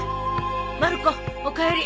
まる子おかえり。